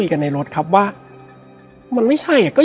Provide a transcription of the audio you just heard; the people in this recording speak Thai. และวันนี้แขกรับเชิญที่จะมาเชิญที่เรา